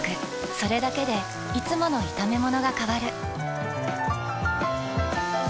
それだけでいつもの炒めものが変わる。